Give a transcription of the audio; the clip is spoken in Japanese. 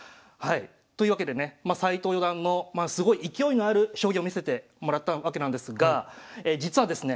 というわけでね斎藤四段のすごい勢いのある将棋を見せてもらったわけなんですが実はですね